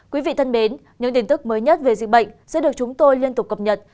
quý vị thân mến những tin tức mới nhất về dịch bệnh sẽ được chúng tôi liên tục cập nhật